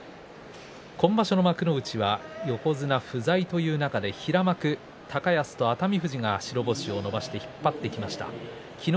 今場所の幕内は横綱不在という中で平幕高安と熱海富士が星を伸ばして引っ張ってきました。